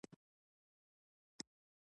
او له هر څه نه لذت وړي.